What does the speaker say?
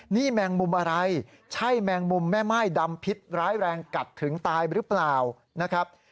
นี่แมงมุมอะไรใช่แมงมุมแม่ม่ายดำพิษร้ายแรงกัดถึงตายหรือเปล่านะครับ